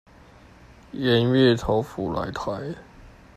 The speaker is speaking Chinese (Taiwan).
鹽月桃甫來台